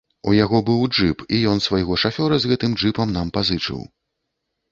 У яго быў джып, і і ён свайго шафёра з гэтым джыпам нам пазычыў.